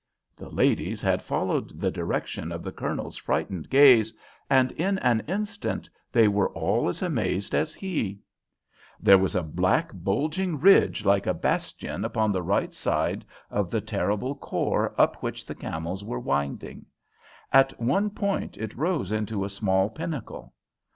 The ladies had followed the direction of the Colonel's frightened gaze, and in an instant they were all as amazed as he. [Illustration: On this pinnacle stood a motionless figure p242] There was a black, bulging ridge like a bastion upon the right side of the terrible khor up which the camels were winding. At one point it rose into a small pinnacle.